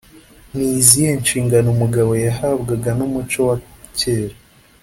ni izihe nshingano umugabo yahabwaga n’umuco wa kera?